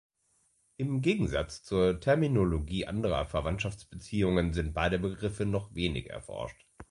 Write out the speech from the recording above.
Im Gegensatz zur Terminologie anderer Verwandtschaftsbeziehungen sind beide Begriffe noch wenig erforscht.